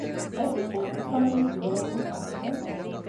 އެސިސްޓެންޓް އިކޮނޮމިކް ޑިވެލޮޕްމަންޓް އޮފިސަރ